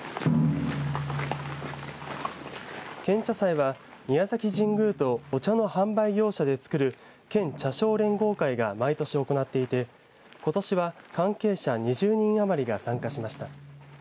献茶祭は宮崎神宮とお茶の販売業者でつくる県茶商連合会が毎年行っていてことしは関係者２０人余りが参加しました。